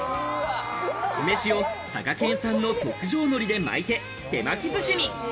酢飯を佐賀県産の特上のりで巻いて、手巻き寿司に。